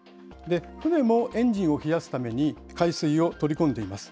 船もエンジンを冷やすために海水を取り込んでいます。